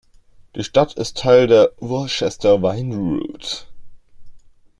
Die Stadt ist Teil der "Worcester Wine Route".